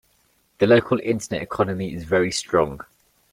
The local internet economy is very strong.